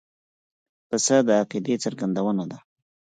پسه د عقیدې څرګندونه ده.